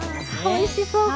おいしそう！